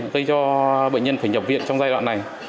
gây cho bệnh nhân phải nhập viện trong giai đoạn này